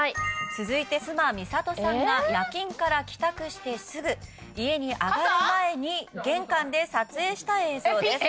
続いて妻美里さんが夜勤から帰宅してすぐ家に上がる前に玄関で撮影した映像です